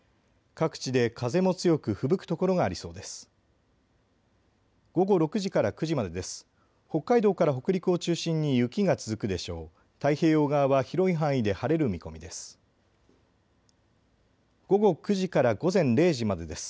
各地で風も強くふぶく所がありそうです。